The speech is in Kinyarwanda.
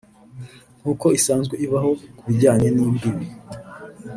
nkuko isanzwe ibaho ku bijyanye n’imbibi